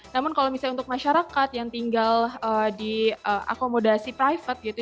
namun kalau misalnya untuk masyarakat yang tinggal diakomodasi private gitu